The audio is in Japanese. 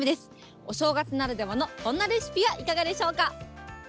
お正月ならではのこんなレシピはいかがでしょうか。